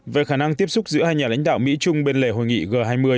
về khả năng tiếp xúc giữa hai nhà lãnh đạo mỹ chung bên lề hội nghị g hai mươi